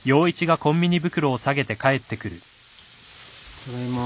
・ただいま。